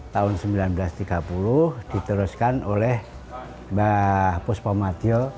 tahun seribu sembilan ratus tiga puluh diteruskan oleh mbah puspa matio